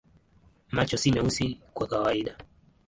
Macho ni meusi kwa kawaida.